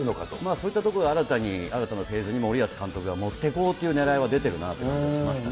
そういったところが新たなフェーズに森保監督が持っていこうというねらいは出てるなって感じはしましたね。